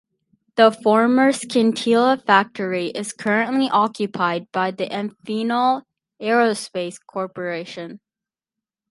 The former Scintilla factory is currently occupied by the Amphenol Aerospace Corporation.